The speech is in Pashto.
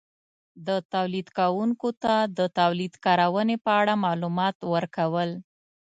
-د تولید کارونکو ته د تولید کارونې په اړه مالومات ورکول